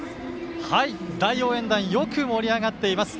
大応援団よく盛り上がっています。